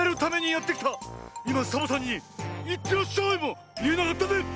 いまサボさんに「いってらっしゃい」もいえなかったね。